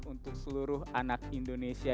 untuk seluruh anak indonesia